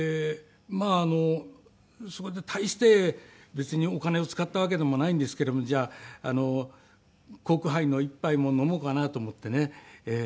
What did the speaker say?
あそこで大して別にお金を使ったわけでもないんですけどもじゃあコークハイの１杯も飲もうかなと思ってね